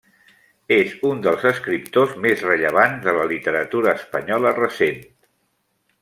És un dels escriptors més rellevants de la literatura espanyola recent.